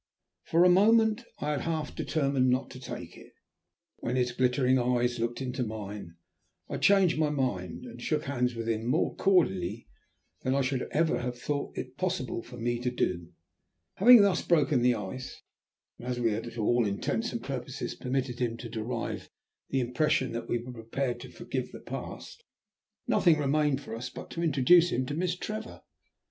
For a moment I had half determined not to take it, but when his glittering eyes looked into mine I changed my mind and shook hands with him more cordially than I should ever have thought it possible for me to do. Having thus broken the ice, and as we had to all intents and purposes permitted him to derive the impression that we were prepared to forgive the Past, nothing remained for us but to introduce him to Miss Trevor.